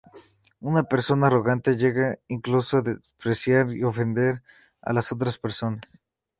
Una persona arrogante llega, incluso, a despreciar y ofender a las otras personas.